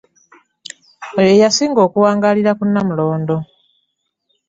Oyo ye yasinga okuwangaalira ku Nnamulondo.